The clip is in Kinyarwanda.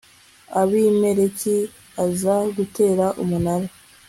abimeleki aza gutera umunara